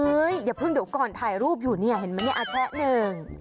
อย่าเพิ่งเดี๋ยวก่อนถ่ายรูปอยู่เนี่ยเห็นไหมเนี่ยอาแชะหนึ่ง